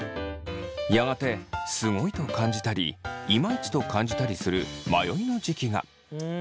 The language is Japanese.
やがてすごいと感じたりイマイチと感じたりする迷いの時期が。